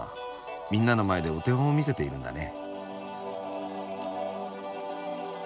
みんなの前でお手本を見せているんだね。